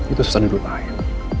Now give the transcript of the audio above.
itu susah diduduk lain